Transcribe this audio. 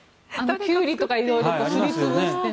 キュウリとか色々とすり潰してね。